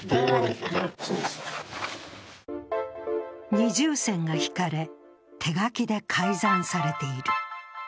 二重線が引かれ手書きで改ざんされている。